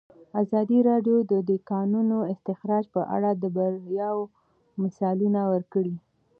ازادي راډیو د د کانونو استخراج په اړه د بریاوو مثالونه ورکړي.